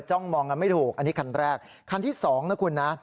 มองกันไม่ถูกอันนี้คันแรกคันที่๒นะคุณนะ